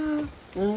うん？